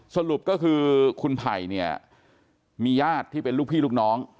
สรุปก็คือคุณไผ่เนี่ยมีญาติที่เป็นลูกพี่ลูกน้อง